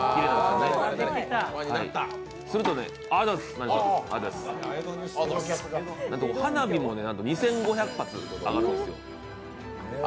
するとね、花火も２５００発上がるんですよ。